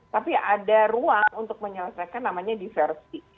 tapi ada ruang untuk menyelesaikan namanya diversi